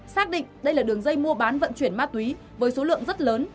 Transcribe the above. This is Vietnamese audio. xác định đây là đường dây mua bán vận chuyển ma túy với số lượng rất lớn